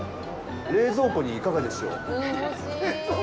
冷蔵庫にいかがでしょう？